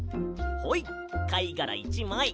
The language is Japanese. はいかいがら１まい！